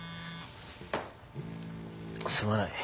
すまない。